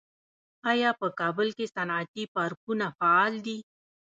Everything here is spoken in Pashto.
آیا په کابل کې صنعتي پارکونه فعال دي؟